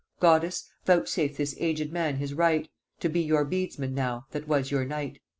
Goddess, vouchsafe this aged man his right, To be your beadsman now, that was your knight.